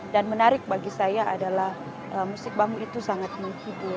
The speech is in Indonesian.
dan menarik bagi saya adalah musik bambu itu sangat menghibur